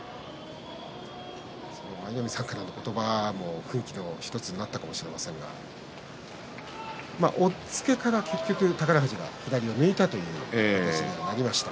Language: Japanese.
舞の海さんの言葉も１つ奮起になったかもしれませんが押っつけから宝富士が結局左を抜いたという形になりました。